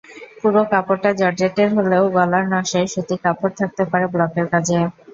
পুরো কাপড়টা জর্জেটের হলেও গলার নকশায় সুতির কাপড়ে থাকতে পারে ব্লকের কাজ।